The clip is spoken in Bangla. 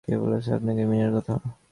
কে বলেছে আপনাকে মীনার কথা?